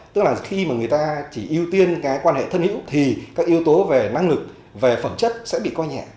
tức là khi mà người ta chỉ ưu tiên cái quan hệ thân hữu thì các yếu tố về năng lực về phẩm chất sẽ bị coi nhẹ